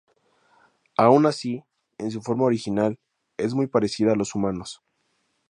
Aun así, en su forma original es muy parecida a los humanos.